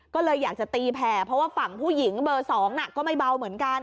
ก็เลยอยากจะตีแผ่เพราะว่าฝั่งผู้หญิงเบอร์๒ก็ไม่เบาเหมือนกัน